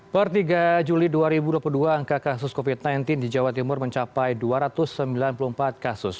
per tiga juli dua ribu dua puluh dua angka kasus covid sembilan belas di jawa timur mencapai dua ratus sembilan puluh empat kasus